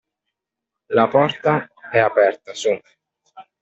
La porta è aperta, su?